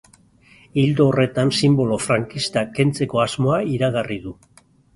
Ildo horretan, sinbolo frankistak kentzeko asmoa iragarri du.